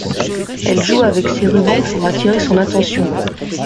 Elle joue avec ses rubans pour attirer son attention.